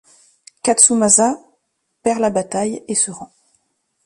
Katsumasa perd la bataille et se rend.